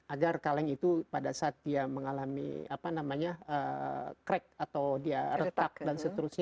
agar kaleng itu pada saat dia mengalami crack atau dia retak dan seterusnya